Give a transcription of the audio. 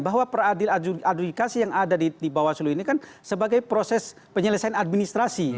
bahwa peradil adjudikasi yang ada di bawah seluruh ini kan sebagai proses penyelesaian administrasi